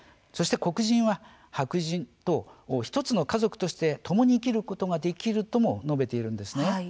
そして黒人は白人と１つの家族として共に生きることができるとも述べているんです。